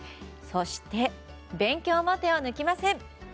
そして、勉強も手を抜きません。